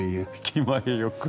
気前よく。